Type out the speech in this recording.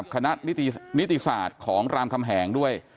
คณะนิติศาสตร์ของรามคำแหงด้วย